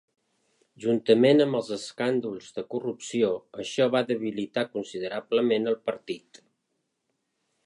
Juntament amb els escàndols de corrupció, això va debilitar considerablement el partit.